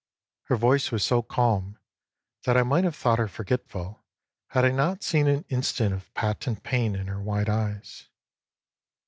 Her voice was so calm that I might have thought her forgetful had I not seen an instant of patent pain in her wide eyes.